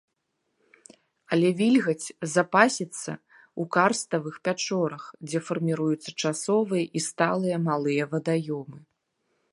Але вільгаць запасіцца ў карставых пячорах, дзе фарміруюцца часовыя і сталыя малыя вадаёмы.